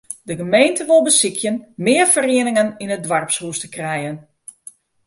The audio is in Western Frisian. De gemeente wol besykje mear ferieningen yn it doarpshûs te krijen.